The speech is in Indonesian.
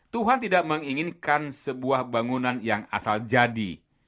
tuhan tidak menginginkan sebuah bangunan yang asal jadi